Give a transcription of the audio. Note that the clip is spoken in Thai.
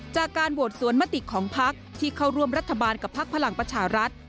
จากการโหวตสวนมติของพักที่เข้าร่วมรัฐบาลกับพักพลังประชารัฐ